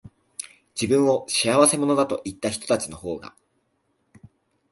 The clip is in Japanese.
自分を仕合せ者だと言ったひとたちのほうが、